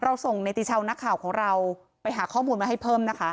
ส่งเนติชาวนักข่าวของเราไปหาข้อมูลมาให้เพิ่มนะคะ